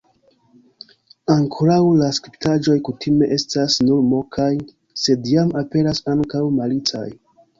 Ankoraŭ la spritaĵoj kutime estas nur mokaj, sed jam aperas ankaŭ malicaj.